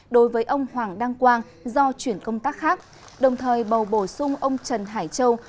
đối với ông hoàng đăng quang do chuyển công tác khác đồng thời bầu bổ sung ông trần hải châu